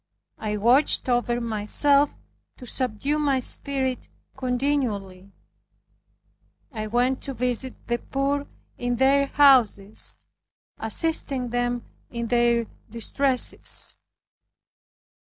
I watched over myself, to subdue my spirit continually. I went to visit the poor in their houses, assisting them in their distresses.